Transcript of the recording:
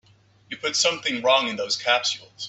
You put something wrong in those capsules.